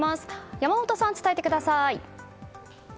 山本さん、伝えてください。